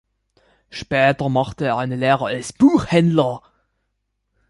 Später machte er eine Lehre als Buchhändler.